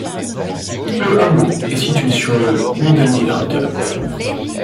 Le hameau est situé sur le Meedenerdiep.